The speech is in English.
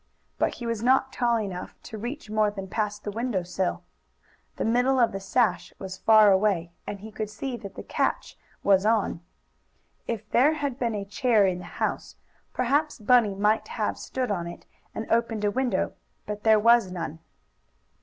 But he was not tall enough to reach more than past the window sill. The middle of the sash was far away, and he could see that the catch was on. If there had been a chair in the house, perhaps Bunny might have stood on it and opened a window, but there was none.